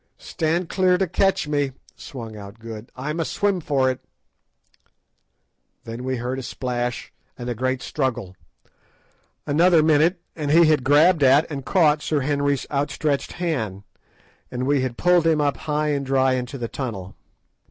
"Stand clear to catch me," sung out Good. "I must swim for it." Then we heard a splash, and a great struggle. Another minute and he had grabbed at and caught Sir Henry's outstretched hand, and we had pulled him up high and dry into the tunnel.